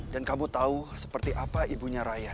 dan kamu tahu seperti apa ibunya raya